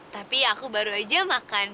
tapi aku baru aja makan